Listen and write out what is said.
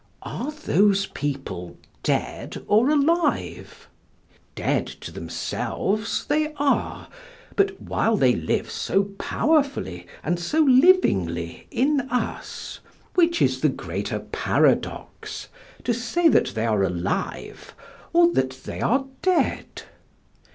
Are those people dead or alive? Dead to themselves they are, but while they live so powerfully and so livingly in us, which is the greater paradox to say that they are alive or that they are dead?